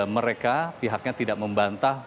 mereka pihaknya tidak membantah